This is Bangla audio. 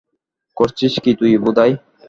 করছিস কী তুই, ভোদাই?